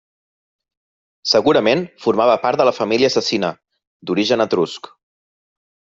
Segurament formava part de la família Cecina, d'origen etrusc.